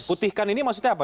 putihkan ini maksudnya apa